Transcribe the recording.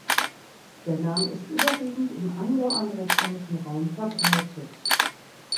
Der Name ist überwiegend im angloamerikanischen Raum verbreitet.